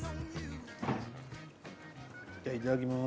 じゃいただきます